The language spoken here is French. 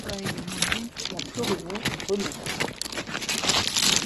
La floraison est remontante.